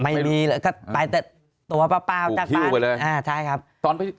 ไม่มีหรอกไปแต่ตัวเปล่าเช่นกันตกพลิ้วไปเลย